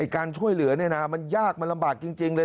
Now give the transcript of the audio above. การช่วยเหลือมันยากมันลำบากจริงเลย